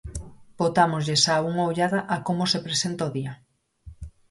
Botámoslle xa unha ollada a como se presenta o día.